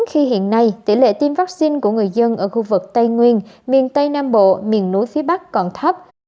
khi hiện nay tỷ lệ tiêm vaccine của người dân ở khu vực tây nguyên miền tây nam bộ miền núi phía bắc còn thấp